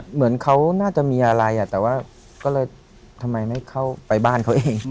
เหมือนเขาน่าจะมีอะไรแต่ว่าก็เลยทำไมไม่เข้าไปบ้านเขาเอง